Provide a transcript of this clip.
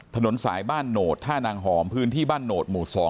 ถนนสายบ้านโหนดท่านางหอมพื้นที่บ้านโหนดหมู่๒